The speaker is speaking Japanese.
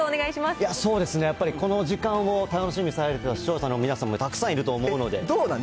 そうですね、やっぱりこの時間を楽しみにされてた視聴者の皆様もたくさんいるどうなん？